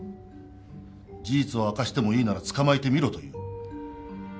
事実を明かしてもいいなら捕まえてみろという。